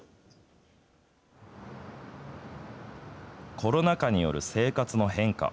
コロナ禍による生活の変化。